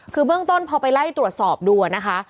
คือเบื้องต้นพอไปไล่ตรวจสอบดูนะคะ